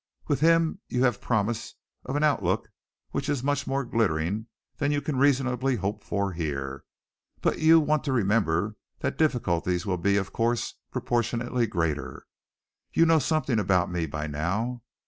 With him you have promise of an outlook which is much more glittering than any you can reasonably hope for here, but you want to remember that the difficulties will be, of course, proportionately greater. You know something about me by now.